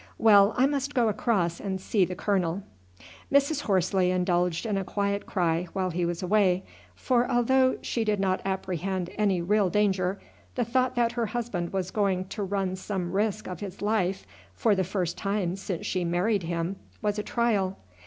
Well, I must go across and see the colonel." Mrs. Horsley indulged in a quiet cry while he was away, for although she did not apprehend any real danger, the thought that her husband was going to run some risk of his life for the first time since she married him was a trial.